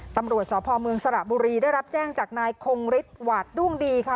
ตำรวจสพเมืองสระบุรีได้รับแจ้งจากนายคงฤทธิหวาดดุ้งดีค่ะ